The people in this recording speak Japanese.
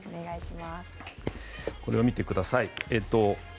これを見てください。